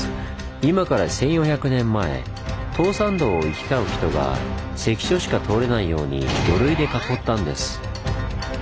今から１，４００年前東山道を行き交う人が関所しか通れないように土塁で囲ったんです。